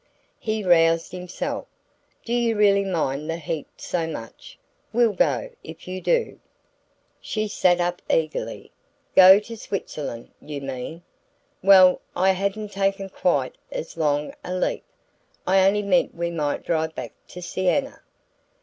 He roused himself. "Do you really mind the heat so much? We'll go, if you do." She sat up eagerly. "Go to Switzerland, you mean?" "Well, I hadn't taken quite as long a leap. I only meant we might drive back to Siena."